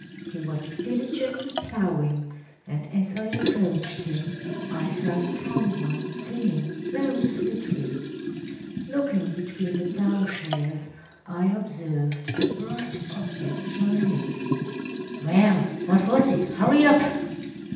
He was diligently ploughing, and as I approached him I heard some one singing very sweetly. Looking between the ploughshares, I observed a bright object shining.‚ÄĚ “Well, what was it? Hurry up!